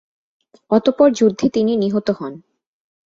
অতঃপর যুদ্ধে তিনি নিহত হন।